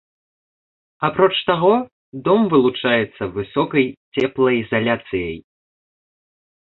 Апроч таго, дом вылучаецца высокай цеплаізаляцыяй.